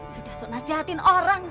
sudah sok nasihatin orang